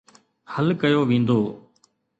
حل ڪيو ويندو.